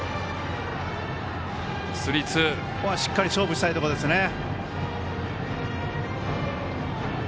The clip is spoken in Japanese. ここはしっかり勝負したいところですね。